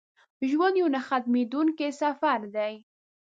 ژوند یو نه ختمېدونکی سفر دی.